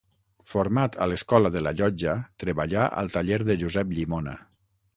Format a l'Escola de la Llotja, treballà al taller de Josep Llimona.